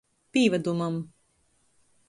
Pīvadumam.